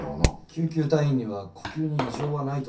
救急隊員には呼吸に異常はないと伝えていたそうです。